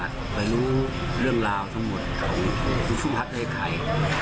แต่งแล้ววันนี้เพลงก็เสร็จแล้ว